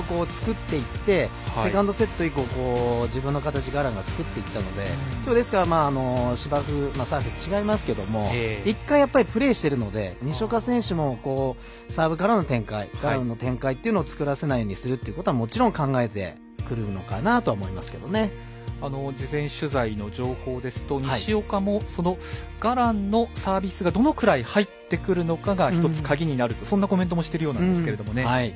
サーブである程度作っていってセカンドセット以降自分の形ガランが作っていったのでですから、芝生でサーフェスが違いますけども一回、プレーしてるので西岡選手もサーブからの展開ガランの展開を作らせないようにするっていうのはもちろん考えてくるのかなと事前取材の情報ですと西岡も、そのガランのサービスがどのくらい入ってくるのかが一つ、鍵になるとそんなコメントもしているようです。